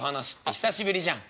久しぶりじゃん」。